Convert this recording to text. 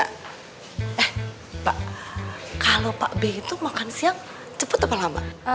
eh pak kalau pak b itu makan siang cepet apa lama